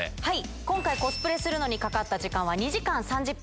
今回、コスプレするのにかかった時間は２時間３０分。